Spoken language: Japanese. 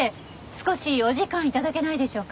少しお時間頂けないでしょうか？